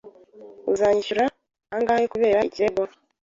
Uzanyishyura angahe kubera ikirego?